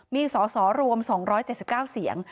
มีสอสอรวม๒๗๙เสียง